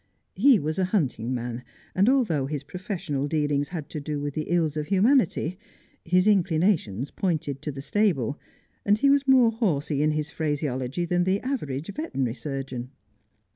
He was a hunting man, and although his professional dealings had to do with the ills of humanity, his inclinations pointed to the stable, and he was more horsey in his phraseology than the average veterinary surgeon.